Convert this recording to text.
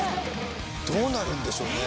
どうなるんでしょうね？